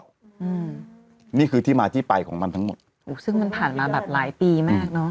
อืมนี่คือที่มาที่ไปของมันทั้งหมดอุ้ยซึ่งมันผ่านมาแบบหลายปีมากเนอะ